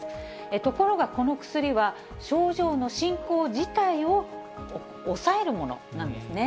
ところがこの薬は、症状の進行自体を抑えるものなんですね。